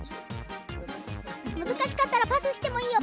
むずかしかったらパスしてもいいよ？